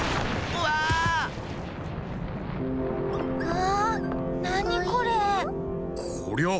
うわあ！